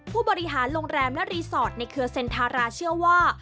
ผู้บริหารโรงแรมและรีสอร์ทในเครือเซ็นทาราเชื่อว่า